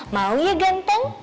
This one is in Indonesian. mau ya ganteng